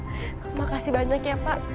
terima kasih banyak ya pak